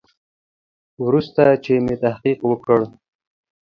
وروسته چې مې تحقیق وکړ.